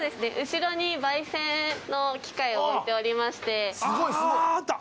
後ろに焙煎の機械を置いておりましてあーあった！